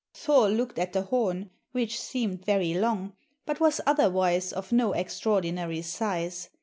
Thor looked at the horn, which seemed very long, but was otherwise of no extraordinary size.